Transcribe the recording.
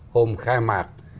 hôm khai mạc